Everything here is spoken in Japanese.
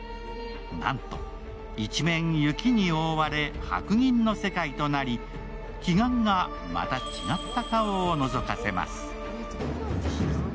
なんと、一面、雪に覆われ白銀の世界となり奇岩がまた違った顔をのぞかせます。